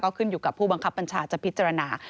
ขึ้นอยู่กับผู้บังคับบัญชาจะพิจารณา